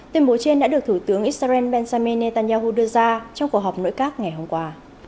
tuyên bố trên đã được thủ tướng israel benjamin netanyahu đưa ra trong cuộc họp nội các ngày hôm qua